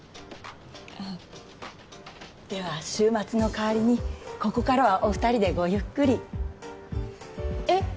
あっでは週末の代わりにここからはお二人でごゆっくりえっ？